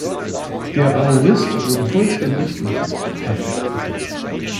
Der Aorist wurde vollständig durch das Perfekt ersetzt.